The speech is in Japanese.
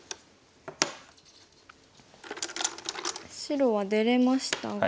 白は出れましたが。